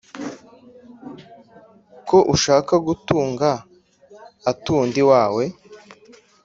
ko ushaka gutunga atunda iwawe